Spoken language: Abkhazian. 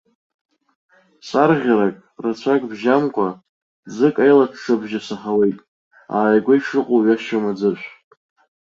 Сарӷьарахь, рацәак бжьамкәа, ӡык аилаҽҽабжьы саҳауеит, ааигәа ишыҟоу ҩашьом аӡыршә.